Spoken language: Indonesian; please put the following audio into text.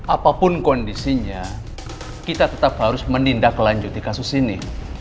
apapun kondisinya kita tetap harus menindaklanjut di kasus ini